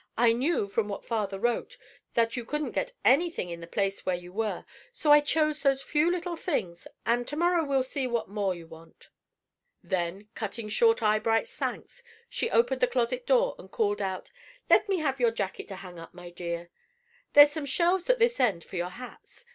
I knew, from what Father wrote, that you couldn't get any thing in the place where you were, so I chose those few little things, and to morrow we'll see what more you want." Then, cutting short Eyebright's thanks, she opened the closet door and called out: "Let me have your jacket to hang up, my dear. There's some shelves at this end for your hats.